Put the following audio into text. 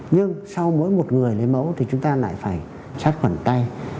nhưng sau mỗi một người lấy máu thì chúng ta lại phải sát khuẩn tay